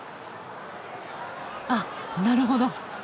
あっなるほど。